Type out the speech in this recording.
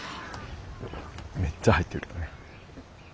めっちゃ入ってる。